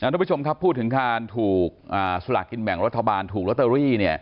ทุกผู้ชมครับพูดถึงการถูกสลากกินแบ่งรัฐบาลถูกลอตเตอรี่